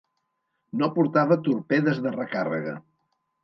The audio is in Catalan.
No portava torpedes de recàrrega.